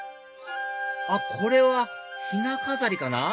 あっこれはひな飾りかな？